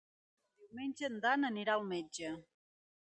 Diumenge en Dan anirà al metge.